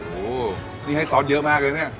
โอ้โหนี่ให้ซอสเยอะมากเลยเนี่ย